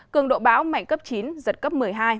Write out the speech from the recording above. cường độ bão mạnh cấp chín giật cấp một mươi hai